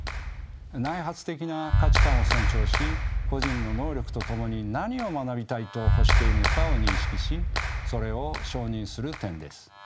内発的な価値観を尊重し個人の能力とともに何を学びたいと欲しているのかを認識しそれを承認する点です。